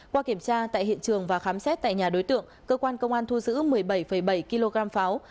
qua kiểm tra tại hiện trường và khám xét tại nhà đối tượng cơ quan công an thu giữ một mươi bảy bảy kg pháo